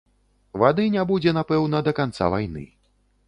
Вады не будзе, напэўна, да канца вайны.